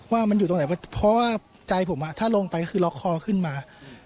ว่ามันอยู่ตรงไหนเพราะว่าใจผมถ้าลงไปก็คือล็อกคอขึ้นมา